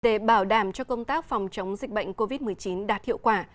để bảo đảm cho công tác phòng chống dịch bệnh covid một mươi chín đạt hiệu quả